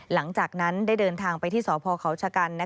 หลังจากนั้นได้เดินทางไปที่สพเขาชะกัน